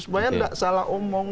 supaya tidak salah omong